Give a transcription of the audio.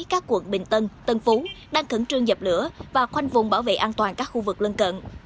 các quận bình tân tân phú đang khẩn trương dập lửa và khoanh vùng bảo vệ an toàn các khu vực lân cận